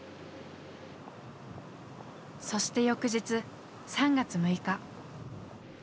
そして翌日３月６日。